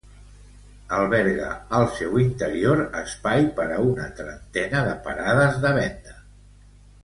Alberga al seu interior espai per a una trentena de parades de venda.